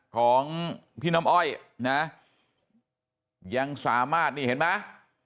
ของพี่น้ำอ้อยนะยังสามารถนี่เห็นไหม